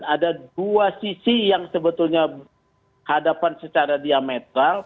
ada dua sisi yang sebetulnya hadapan secara diametral